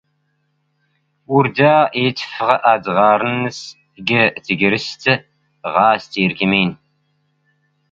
ⵓⵔ ⴷⴰ ⵉⵜⵜⴼⴼⵖ ⴰⴷⵖⴰⵔ-ⵏⵏⵙ ⴳ ⵜⴳⵔⵙⵜ ⵖⴰⵙ ⵜⵉⵔⴽⵎⵉⵏ